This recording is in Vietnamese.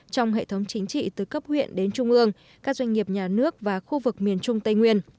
trong hệ thống chính trị từ cấp huyện đến trung ương các doanh nghiệp nhà nước và khu vực miền trung tây nguyên